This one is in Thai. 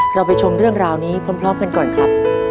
เราไปชมเรื่องราวนี้พร้อมกันก่อนครับ